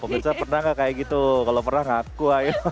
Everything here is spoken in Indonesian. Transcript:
pengendar pernah gak kayak gitu kalau pernah ngaku